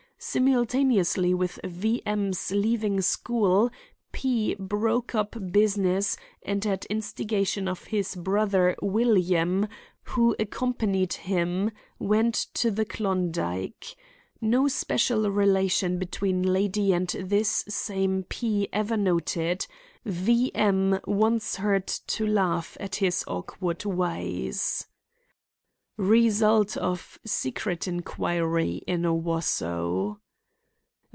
Simultaneously with V. M.'s leaving school, P. broke up business and at instigation of his brother William, who accompanied him, went to the Klondike. No especial relation between lady and this same P. ever noted. V. M. once heard to laugh at his awkward ways. Result of secret inquiry in Owosso.